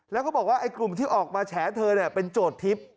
แล้วก็บอกว่ากลุ่มที่ออกมาแฉะเธอเป็นโจทิศ